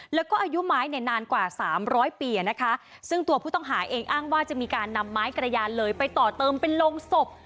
แล้วก็อายุไม้เนี่ยนานกว่าสามร้อยปีนะคะซึ่งตัวผู้ต้องหาเองอ้างว่าจะมีการนำไม้กระยานเลยไปต่อเติมเป็นโรงศพ